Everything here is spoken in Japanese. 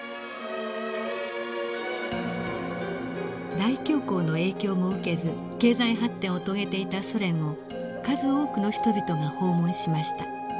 大恐慌の影響も受けず経済発展を遂げていたソ連を数多くの人々が訪問しました。